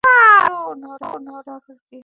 ওর আবার কী হলো?